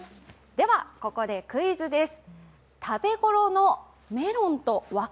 では、ここでクイズです。